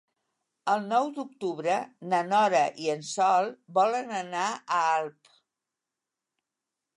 El nou d'octubre na Nora i en Sol volen anar a Alp.